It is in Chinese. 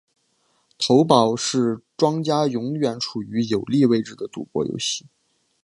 骰宝是庄家永远处于有利位置的赌博游戏。